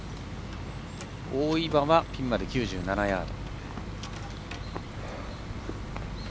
大岩はピンまで９７ヤード。